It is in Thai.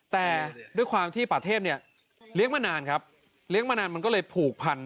แต่ด้วยความที่ป่าเทพเนี่ยเลี้ยงมานานครับเลี้ยงมานานมันก็เลยผูกพัน